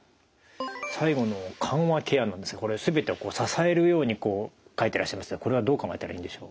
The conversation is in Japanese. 最後の緩和ケアなんですがこれ全てを支えるように書いてらっしゃいましたがこれはどう考えたらいいんでしょう？